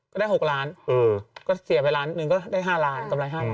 ก็ได้๖ล้านก็เสียไปล้านหนึ่งก็ได้๕ล้านกำไร๕๐๐